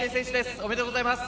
おめでとうございます。